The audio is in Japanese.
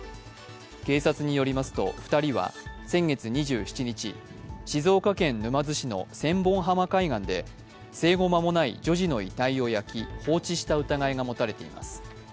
警察によりますと２人は先月２７日、静岡県沼津市の千本浜海岸で生後間もない女児の遺体を焼き放置した疑いが持たれています。